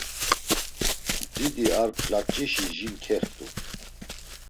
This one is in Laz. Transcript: Didi ar p̌laç̌işi jin kext̆u.